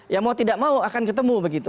ya mau tidak mau akan ketemu begitu